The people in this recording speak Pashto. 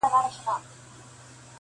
• که جوار غنم سي بند اووه کلونه -